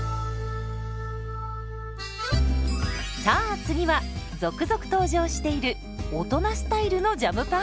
さあ次は続々登場している大人スタイルのジャムパン。